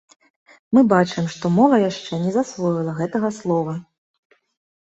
Мы бачым, што мова яшчэ не засвоіла гэтага слова.